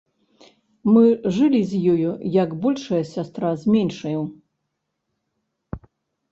Мы жылі з ёю як большая сястра з меншаю.